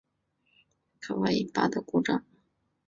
月尘可能进入月球车内部并对其设备造成破坏引发故障。